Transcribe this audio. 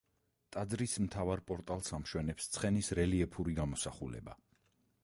ტაძრის მთავარ პორტალს ამშვენებს ცხენის რელიეფური გამოსახულება.